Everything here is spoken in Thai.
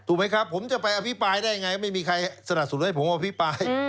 ถูกไหมครับผมจะไปอภิปายได้ยังไงไม่มีใครสนัดสูตรให้ผมอภิปาย